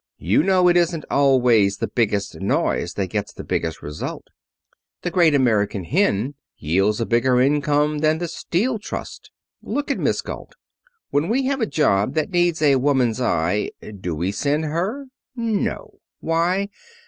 You know it isn't always the biggest noise that gets the biggest result. The great American hen yields a bigger income than the Steel Trust. Look at Miss Galt. When we have a job that needs a woman's eye do we send her? No. Why?